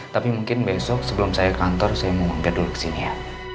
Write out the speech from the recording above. tapi mungkin besok sebelum saya ke kantor saya mau biar dulu ke sini ya